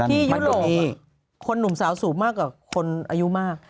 ยุโรปคนหนุ่มสาวสูงมากกว่าคนอายุมาก